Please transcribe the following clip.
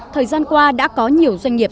thời gian qua đã có nhiều doanh nghiệp